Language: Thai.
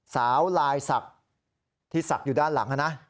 สาวลายศักดิ์ที่ศักดิ์อยู่ด้านหลังนะ